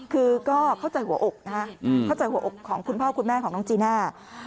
คือก็เข้าใจหัวอกนะฮะเข้าใจหัวอกของคุณพ่อคุณแม่ของน้องจีน่า